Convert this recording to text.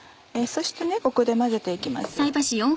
そしてここで混ぜて行きます。